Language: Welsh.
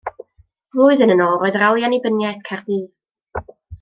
Flwyddyn yn ôl roedd rali annibyniaeth Caerdydd.